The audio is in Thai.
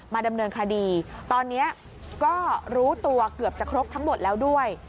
ดำเนินคดีตอนนี้ก็รู้ตัวเกือบจะครบทั้งหมดแล้วด้วย